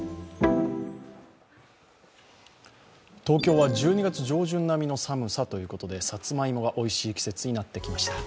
東京は１２月上旬並みの寒さということで、さつまいもがおいしい季節になってきました。